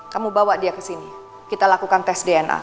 kamu bawa dia kesini kita lakukan tes dna